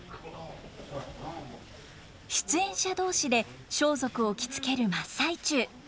出演者同士で装束を着付ける真っ最中。